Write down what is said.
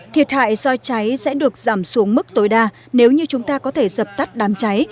thiệt hại do cháy sẽ được giảm xuống mức tối đa nếu như chúng ta có thể dập tắt đám cháy